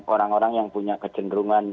orang orang yang punya kecenderungan